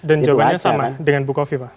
dan jawabannya sama dengan bu kofi pak